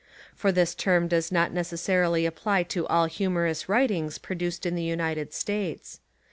For this term does not necessarily ap ply to all humorous writings produced in the United States.